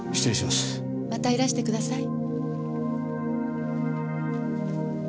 またいらしてください。